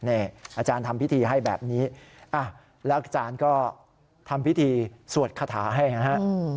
อาจารย์ทำพิธีให้แบบนี้แล้วอาจารย์ก็ทำพิธีสวดคาถาให้นะฮะ